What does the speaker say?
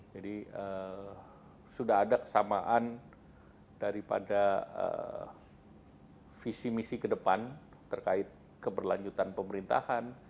jadi sudah ada kesamaan daripada visi misi ke depan terkait keberlanjutan pemerintahan